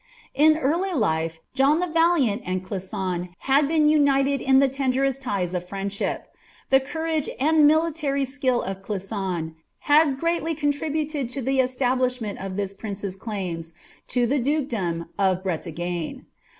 In early life, John the Valiant and Clisson had been united in the tenderest ties of friendship. The courage and military skill of Clisson had greatly contributed to the establishment of this prince's claims to the dukedom of Bretagne.